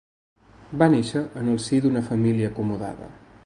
Va néixer en el si d'una família acomodada.